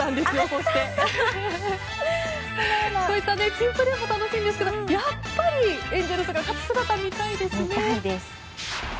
こういった珍プレーも楽しいんですけどやっぱりエンゼルスが勝つ姿を見たいですね。